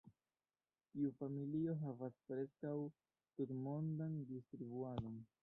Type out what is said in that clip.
Tiu familio havas preskaŭ tutmondan distribuadon.